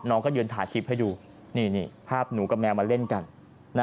น้องก็ยืนถ่ายคลิปให้ดูนี่ภาพหนูกับแมวมาเล่นกัน